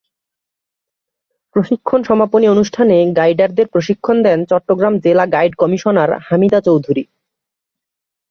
প্রশিক্ষণ সমাপনী অনুষ্ঠানে গাইডারদের প্রশিক্ষণ দেন চট্টগ্রাম জেলা গাইড কমিশনার হামিদা চৌধুরী।